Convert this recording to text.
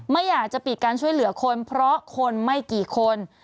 ไม่อยากจะปิดการช่วยเหลือคนเพราะคนไม่กี่คน